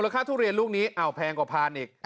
ค่าทุเรียนลูกนี้แพงกว่าพานอีก